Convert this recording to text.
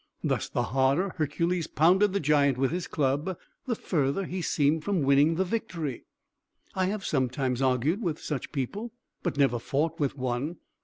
Thus, the harder Hercules pounded the giant with his club, the further he seemed from winning the victory. I have sometimes argued with such people, but never fought with one.